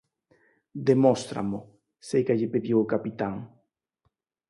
Demóstramo –seica lle pediu o capitán.